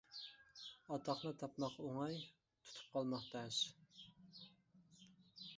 ئاتاقنى تاپماق ئوڭاي، تۇتۇپ قالماق تەس.